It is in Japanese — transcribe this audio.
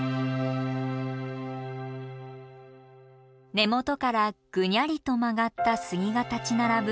根元からグニャリと曲がった杉が立ち並ぶ